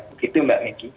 begitu mbak meggy